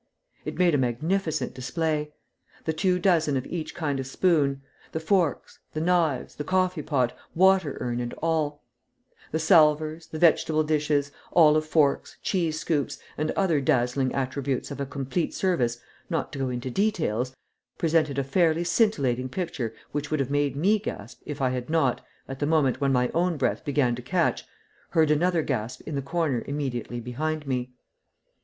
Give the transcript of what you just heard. It made a magnificent display: the two dozen of each kind of spoon, the forks, the knives, the coffee pot, water urn, and all; the salvers, the vegetable dishes, olive forks, cheese scoops, and other dazzling attributes of a complete service, not to go into details, presented a fairly scintillating picture which would have made me gasp if I had not, at the moment when my own breath began to catch, heard another gasp in the corner immediately behind me.